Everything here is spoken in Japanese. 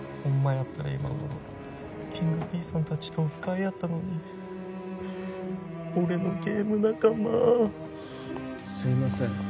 やったら今頃きんぐＰさん達とオフ会やったのに俺のゲーム仲間すいません